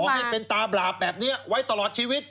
ให้เป็นตาบาปแบบนี้ไว้ตลอดชีวิต